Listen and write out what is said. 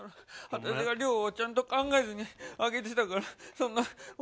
私が量をちゃんと考えずにあげてたからそんな。